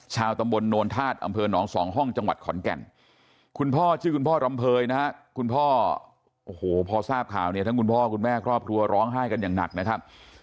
ชาวตำบลโนนธาตุอำเภอหนองสองห้องจังหวัดขอนแก่นคุณพ่อชื่อคุณพ่อรำเภยนะฮะคุณพ่อโอ้โหพอทราบข่าวเนี่ยทั้งคุณพ่อคุณแม่ครอบครัวร้องไห้กันอย่างหนักนะครับ